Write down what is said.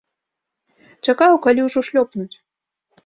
Чакаю, калі ўжо шлёпнуць.